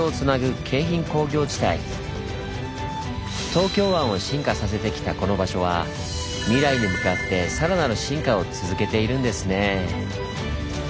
東京湾を進化させてきたこの場所は未来に向かってさらなる進化を続けているんですねぇ。